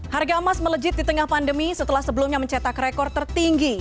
harga emas melejit di tengah pandemi setelah sebelumnya mencetak rekor tertinggi